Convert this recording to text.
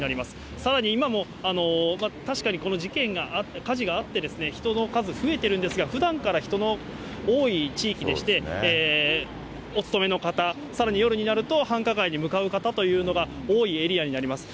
さらに今も確かにこの事件があって、火事があって、人の数、増えてるんですが、ふだんから人の多い地域でして、お勤めの方、さらに夜になると、繁華街に向かう方というのが多いエリアになります。